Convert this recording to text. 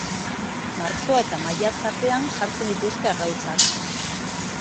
Martxoa eta maiatza artean jartzen dituzte arrautzak.